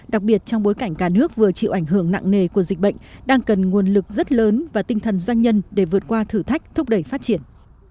đặc biệt trong bối cảnh cả nước vừa chịu ảnh hưởng nặng nề của dịch bệnh đang cần nguồn lực rất lớn và tinh thần doanh nhân để vượt qua thử thách thúc đẩy phát triển